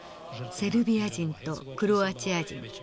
セルビア人とクロアチア人。